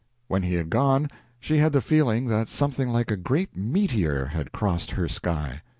When he had gone, she had the feeling that something like a great meteor had crossed her sky.